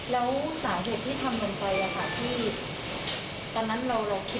แล้วสาเหตุที่ทำลงไปอะคะที่